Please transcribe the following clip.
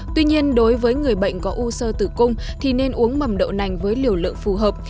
tuy nhiên đối với người bệnh có u sơ tử cung thì nên uống mầm đậu nành với liều lượng phù hợp